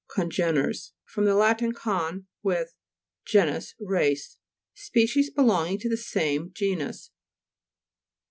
CO'NGENERS fr. lat. con, with, ge nus, race. Species belonging to the same genus.